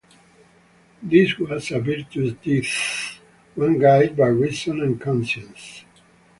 This was a 'virtuous death', one guided by reason and conscience.